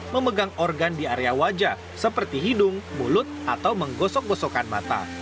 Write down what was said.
memegang organ di area wajah seperti hidung mulut atau menggosok gosokkan mata